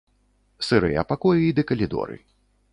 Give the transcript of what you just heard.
Сырыя пакоі ды калідоры.